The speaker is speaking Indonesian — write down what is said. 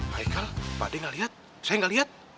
haikal pak de gak lihat saya gak lihat